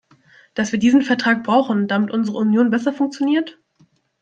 Dass wir diesen Vertrag brauchen, damit unsere Union besser funktioniert?